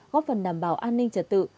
góp phần đảm bảo an ninh trật tự